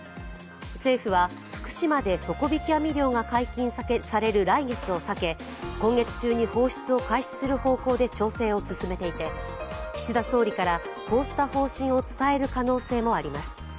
政府は福島で底引き網漁が解禁される来月を避け今月中に放出を開始する方向で調整を進めていて岸田総理から、こうした方針を伝える可能性もあります。